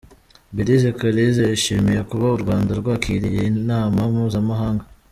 Belise Kaliza yishimiye kuba u Rwanda rwakiriye iyi nama mpuzamahanga.